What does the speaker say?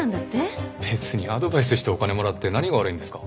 別にアドバイスしてお金もらって何が悪いんですか？